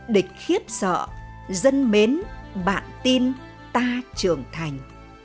địch khiết sợ dân mến bạn tin ta trưởng thành